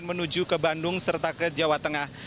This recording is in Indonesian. menuju ke bandung serta ke jawa tengah